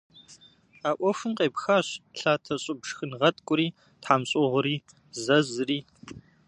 А ӏуэхум къепхащ лъатэщӏыб шхынгъэткӏури, тхьэмщӏыгъури, зэзри.